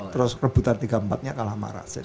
terus rebutan tiga puluh empat nya kalah sama rasid